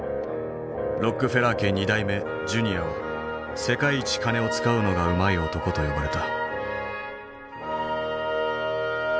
ロックフェラー家２代目ジュニアは世界一金を使うのがうまい男と呼ばれた。